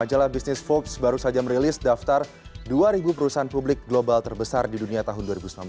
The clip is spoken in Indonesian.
majalah business forbes baru saja merilis daftar dua ribu perusahaan publik global terbesar di dunia tahun dua ribu sembilan belas